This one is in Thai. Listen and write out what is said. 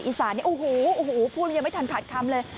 อีสานโอ้โฮโอ้โฮพูดมันยังไม่ทันถัดคำเลย